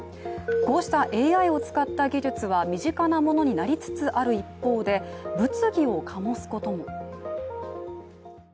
こうしたＡＩを使った技術は身近なものになりつつある一方で、物議を醸すことも。